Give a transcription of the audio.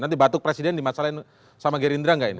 nanti batuk presiden dimasalahin sama gerindra nggak ini